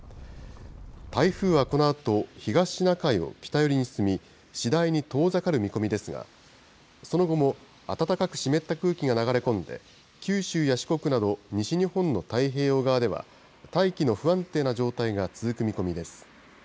台風はこのあと、東シナ海を北寄りに進み、次第に遠ざかる見込みですが、その後も暖かく湿った空気が流れ込んで、九州や四国など、西日本の太平洋側では、大気の不安定な状態が続く見込みです。